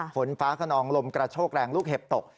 ฝนฟ้าขนองลมกระโชกแรงลูกเห็บตก